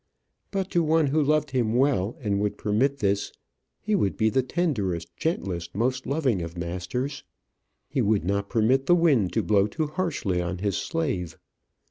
But to one who loved him well, and would permit this, he would be the tenderest, gentlest, most loving of masters. He would not permit the wind to blow too harshly on his slave.